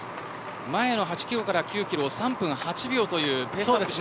前を８キロから９キロを３分８秒というペースです。